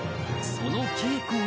その稽古が。